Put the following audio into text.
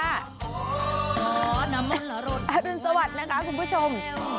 อาจารย์สวัสดิ์นะคะคุณผู้ชม